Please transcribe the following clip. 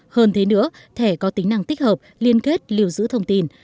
hơn thế nữa thẻ có tính năng tích hợp liên kết liều giữ thông tin